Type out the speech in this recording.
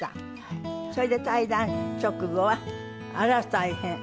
それで退団直後はあら大変！